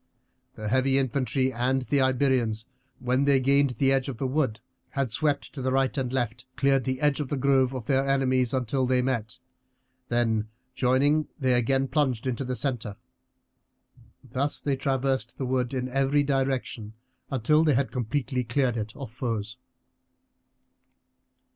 The heavy infantry and the Iberians, when they gained the edge of the wood, had swept to the right and left, cleared the edge of the grove of their enemies until they met, then joining they again plunged into the centre. Thus they traversed the wood in every direction until they had completely cleared it of foes.